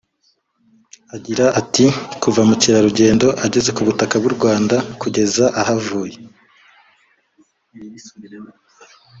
Agira ati “Kuva mukerarugendo ageze ku butaka bw’u Rwanda kugeza ahavuye